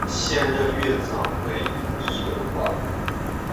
现任院长为易荣华。